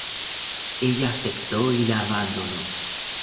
Ella aceptó y la abandonó.